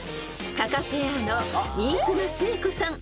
［タカペアの新妻聖子さん